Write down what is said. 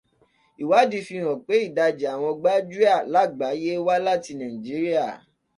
Ìwádìí fihàn pé ìdajì àwọn gbájúẹ̀ lágbàyéé wá láti Nàíjíríà